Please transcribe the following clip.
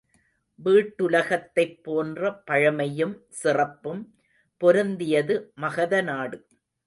வீட்டுலகத்தைப் போன்ற பழமையும் சிறப்பும் பொருந்தியது மகதநாடு.